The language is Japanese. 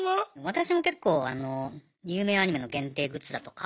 私も結構有名アニメの限定グッズだとか